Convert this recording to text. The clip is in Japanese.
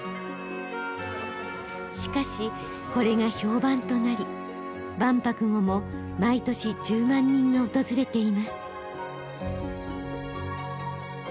しかしこれが評判となり万博後も毎年１０万人が訪れています。